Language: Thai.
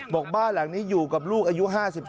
บอกบ้านหลังนี้อยู่กับลูกอายุ๕๒